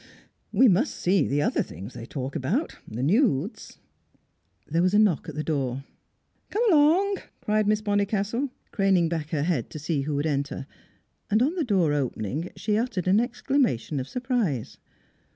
"We must see the other things they talk about the nudes." There was a knock at the door. "Come along!" cried Miss Bonnicastle, craning back her head to see who would enter. And on the door opening, she uttered an exclamation of surprise.